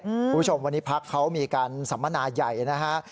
คุณผู้ชมวันนี้พักเขามีการสัมมนาใหญ่นะฮะ